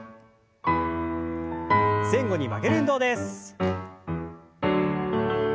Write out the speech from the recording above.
前後に曲げる運動です。